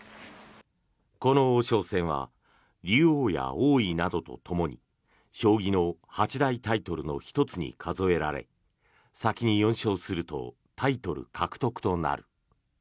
この王将戦は竜王や王位などとともに将棋の八大タイトルの１つに数えられ先に４勝するとタイトル獲得となる。